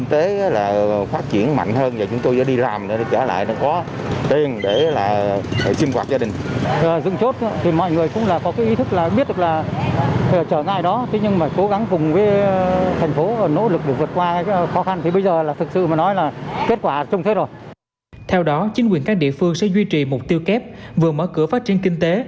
theo đó chính quyền các địa phương sẽ duy trì mục tiêu kép vừa mở cửa phát triển kinh tế